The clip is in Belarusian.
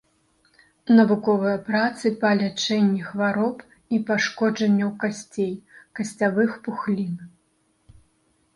Навуковыя працы па лячэнні хвароб і пашкоджанняў касцей, касцявых пухлін.